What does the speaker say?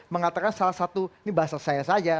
mengatakan salah satu ini bahasa saya saja